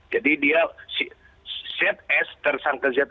jadi dia zs tersangka zs ini bukan itu